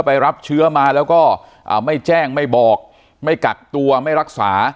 รับเชื้อมาแล้วก็ไม่แจ้งไม่บอกไม่กักตัวไม่รักษา